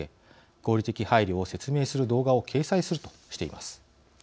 合理的配慮を説明する動画を掲載するとしています。